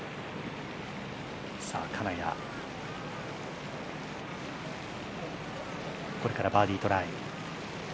金谷、これからバーディートライ。